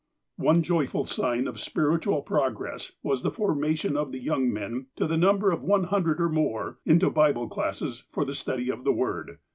One joyful sign of spiritual progress was the formation of the young men, to the number of one hundred or more, into Bible classes for the study of the Word.